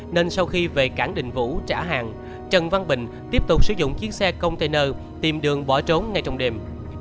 nên sau khi về cảng đình vũ trả hàng trần văn bình tiếp tục sử dụng chiếc xe container tìm đường bỏ trốn ngay trong đêm